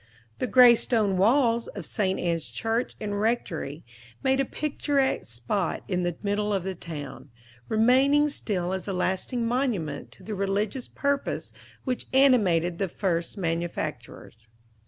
The gray stone walls of St. Anne's church and rectory made a picturesque spot in the middle of the town, remaining still as a lasting monument to the religious purpose which animated the first manufacturers.